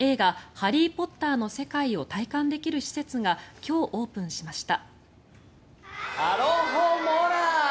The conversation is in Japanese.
「ハリー・ポッター」の世界を体感できる施設が今日オープンしました。